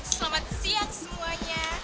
selamat siang semuanya